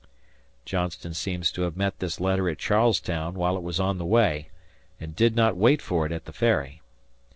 Johnston seems to have met this letter at Charles Town while it was on the way, and did not wait for it at the Ferry.